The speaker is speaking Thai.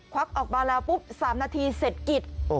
วักออกมาแล้วปุ๊บ๓นาทีเสร็จกิจ